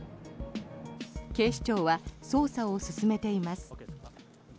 警視庁は捜査を進めています。